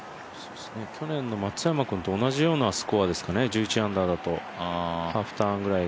去年の松山君と同じようなスコアですかね、１１アンダーだと。